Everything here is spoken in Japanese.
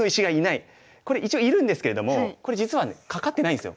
これ一応いるんですけれどもこれ実はねかかってないんですよ。